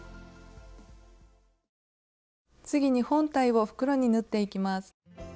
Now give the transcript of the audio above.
次に本体を袋に縫っていきます。